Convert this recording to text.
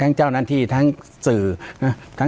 ปากกับภาคภูมิ